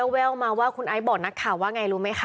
แววมาว่าคุณไอซ์บอกนักข่าวว่าไงรู้ไหมคะ